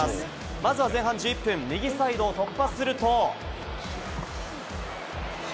まずは前半１１分、右サイドを突破すると。